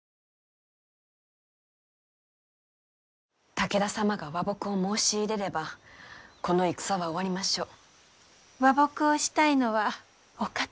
武田様が和睦を申し入れればこの戦は終わりましょう。